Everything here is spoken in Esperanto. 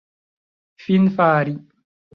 finfari